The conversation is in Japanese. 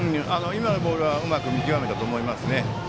今のボールはうまく見極めたと思いますね。